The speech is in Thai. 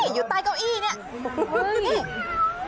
อยู่ใต้เก้าอี้เนี่ย